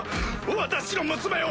私の娘を！